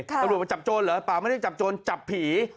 ตำรวจมาจับโจรเหรอเปล่าไม่ได้จับโจรจับผี